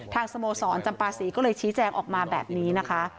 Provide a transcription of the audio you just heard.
สโมสรจำปาศรีก็เลยชี้แจงออกมาแบบนี้นะคะ